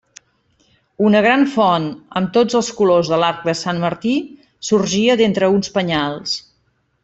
Una gran font amb tots els colors de l'arc de Sant Martí, sorgia d'entre uns penyals.